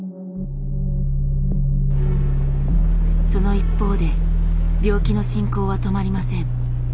その一方で病気の進行は止まりません。